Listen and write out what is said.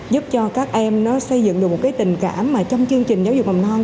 giúp cho các em nó xây dựng được một cái tình cảm mà trong chương trình giáo dục mầm non